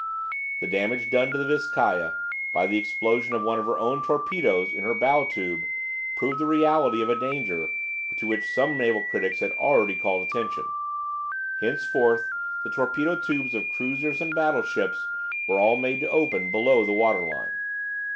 The damage done to the "Vizcaya" by the explosion of one of her own torpedoes in her bow tube proved the reality of a danger to which naval critics had already called attention. Henceforth the torpedo tubes of cruisers and battleships were all made to open below the water line.